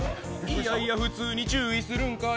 いやいや、普通に注意するんかい？